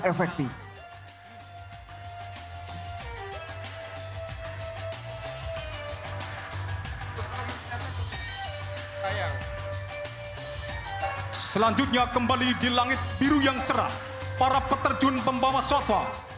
efektif selanjutnya kembali di langit biru yang cerah para peterjun pembawaan kembali ke kota tni angkatan laut